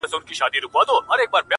تا هم لوښی د روغن دی چپه کړی؟!